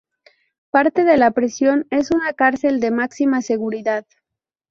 Parte de la prisión es una cárcel de máxima seguridad.